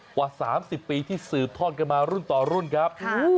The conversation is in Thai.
กว่า๓๐ปีที่สืบทอดกันมารุ่นต่อรุ่นครับ